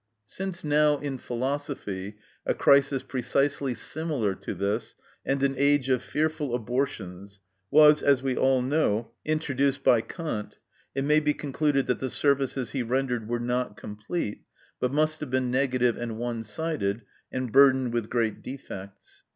Since, now, in philosophy, a crisis precisely similar to this, and an age of fearful abortions, was, as we all know, introduced by Kant, it may be concluded that the services he rendered were not complete, but must have been negative and one sided, and burdened with great defects.